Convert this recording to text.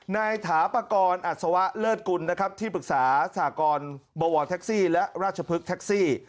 ถาปกรอัศวะเลิศกุลนะครับที่ปรึกษาสหกรบวแท็กซี่และราชพฤกษ์แท็กซี่